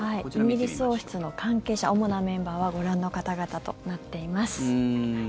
イギリス王室の関係者主なメンバーはご覧の方々となっています。